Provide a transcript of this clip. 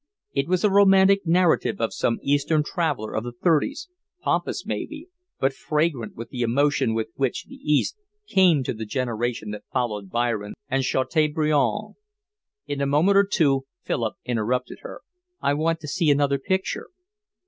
It was a romantic narrative of some Eastern traveller of the thirties, pompous maybe, but fragrant with the emotion with which the East came to the generation that followed Byron and Chateaubriand. In a moment or two Philip interrupted her. "I want to see another picture."